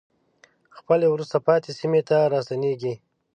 خپلې وروسته پاتې سیمې ته راستنېږي.